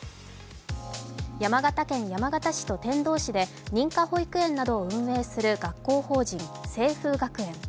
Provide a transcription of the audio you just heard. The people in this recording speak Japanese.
山形県山形市と天童市で認可保育園などを運営する学校法人、清風学園。